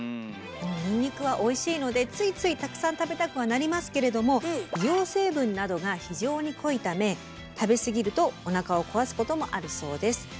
ニンニクはおいしいのでついついたくさん食べたくはなりますけれども硫黄成分などが非常に濃いため食べ過ぎるとおなかを壊すこともあるそうです。